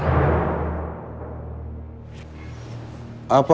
apakah sebelumnya mereka sudah ada wajah